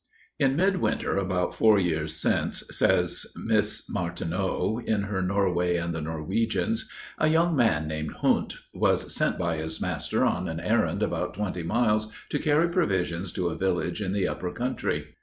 In mid winter about four years since, says Miss Martineau, in her Norway and the Norwegians, a young man named Hund, was sent by his master on an errand about twenty miles, to carry provisions to a village in the upper country.